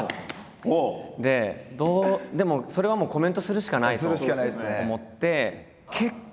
でもそれはもうコメントするしかないと思って。